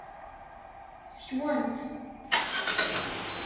Ssekwen-t.